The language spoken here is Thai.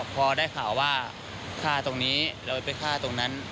พอได้ข่าวว่าฆ่าตรงนี้เราไปฆ่าตรงนั้น